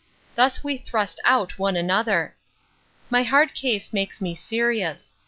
Thus we thrust out one another!—My hard case makes me serious.